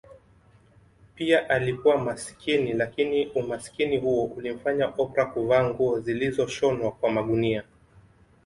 Pia alikuwa masikini lakini Umasikini huo ulimfanya Oprah kuvaa nguo zilizoshonwa kwa magunia